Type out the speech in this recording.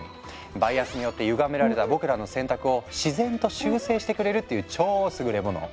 バイアスによってゆがめられた僕らの選択を自然と修正してくれるっていう超優れもの。